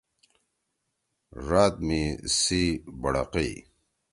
ڙاد می سی بڑَقئی۔